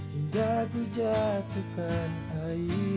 hingga ku jatuhkan air